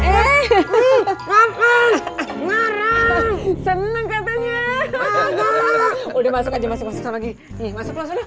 seneng katanya udah masuk aja masuk lagi ya